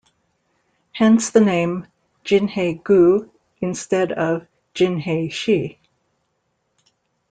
Hence the name "Jinhae-gu" instead of "Jinhae-si".